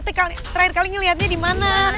tadi terakhir kali liatnya dimana